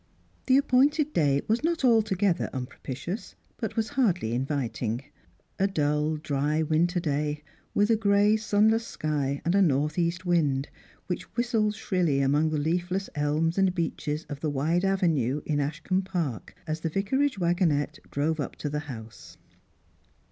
The appointed day was not altogether unpropitious, but waa hardly inviting : a dull dry winter day, with a gray sunless sky and a north east wind, which whistled shrilly among the leaf less elms and beeches of the wide avenue in Ashcombe Park a« the vicarage wagonette drove up to the house.